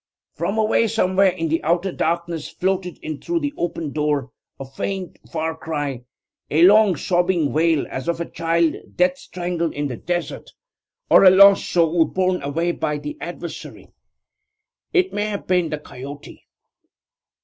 From away somewhere in the outer darkness floated in through the open door a faint, far cry a long, sobbing wail, as of a child death strangled in the desert, or a lost soul borne away by the Adversary. It may have been the coyote.